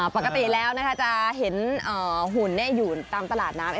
ปกติแล้วจะเห็นหุ่นอยู่ตามตลาดน้ำ